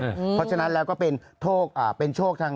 เพราะฉะนั้นแล้วก็เป็นโทษเป็นโชคทาง